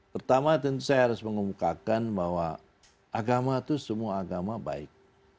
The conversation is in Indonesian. pertama tentu saya harus mengumumkakan bahwa agama itu semua agama baik